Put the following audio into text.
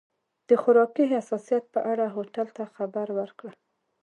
د خوراکي حساسیت په اړه هوټل ته خبر ورکړه.